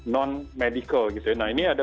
non medical nah ini ada